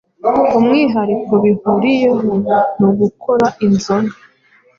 umwihariko bihuriyeho ni ugukora inzoga